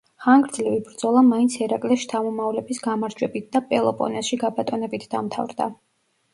ხანგძლივი ბრძოლა მაინც ჰერაკლეს შთამომავლების გამარჯვებით და პელოპონესში გაბატონებით დამთავრდა.